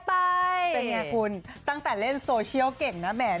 เป็นไงคุณตั้งแต่เล่นโซเชียลเก่งนะแหม